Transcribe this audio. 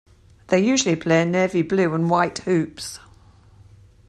They usually play in navy blue and white hoops.